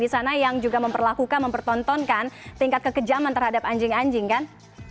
di sana yang juga memperlakukan mempertontonkan tingkat kekejaman terhadap anjing anjing kan